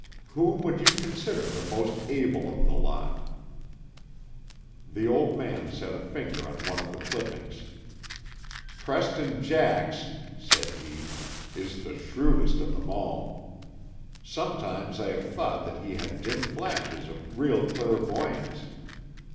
"Whom would you consider the most able of the lot?" The old man set a finger on one of the clippings. "Preston Jax," said he, "is the shrewdest of them all. Sometimes I have thought that he had dim flashes of real clairvoyance.